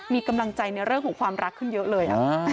มีกำลังใจในเรื่องของความรักขึ้นเยอะเลย